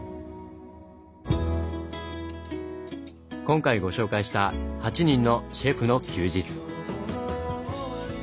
今回ご紹介した８人のシェフの休日。